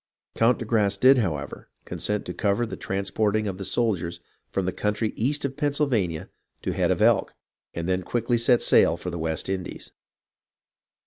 Count de Grasse did, however, consent to cover the transporting of the soldiers from the country east of Pennsylvania to the Head of Elk, and then quickly set sail for the West Indies.